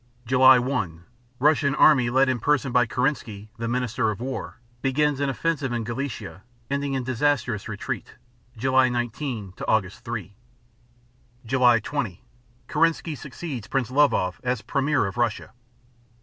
July 1 Russian army led in person by Kerensky, the Minister of War, begins an offensive in Galicia, ending in disastrous retreat (July 19 Aug. 3). July 20 Kerensky succeeds Prince Lvov as premier of Russia.